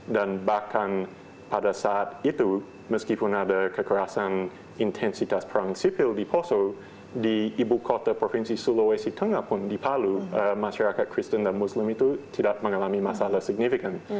dan bahkan pada saat itu meskipun ada kekerasan intensitas perang sipil di poso di ibu kota provinsi sulawesi tengah pun di palu masyarakat kristen dan muslim itu tidak mengalami masalah signifikan